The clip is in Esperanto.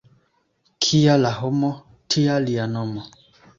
Kia la homo, tia lia nomo.